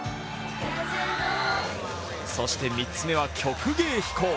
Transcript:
そして３つ目は曲芸飛行。